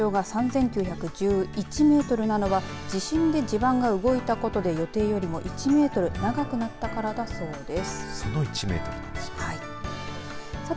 全長がおよそ３９９１メートルなのは地震で地盤が動いたことによって１メートル長くなったからだそうです。